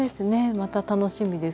また楽しみです